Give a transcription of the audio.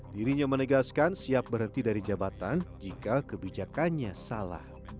dirinya menegaskan siap berhenti dari jabatan jika kebijakannya salah